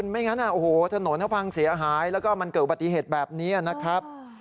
ไม่งั้นโอ้โหถนนเขาพังเสียหายแล้วก็มันเกิดอุบัติเหตุแบบนี้นะครับ